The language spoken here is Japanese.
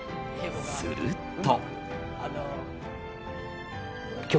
すると。